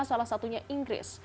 salah satunya inggris